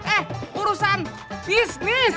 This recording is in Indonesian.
eh urusan bisnis